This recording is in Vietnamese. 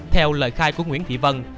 theo lời khai của nguyễn thị vân